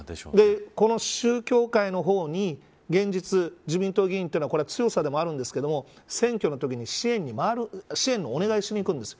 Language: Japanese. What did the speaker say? この宗教界の方に現実、自民党議員というのは強さでもあるんですが選挙のときに支援にお願いしに行くんです。